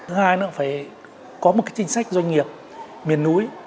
thứ hai là phải có một cái chính sách doanh nghiệp miền núi